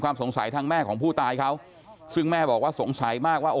สงสัยทางแม่ของผู้ตายเขาซึ่งแม่บอกว่าสงสัยมากว่า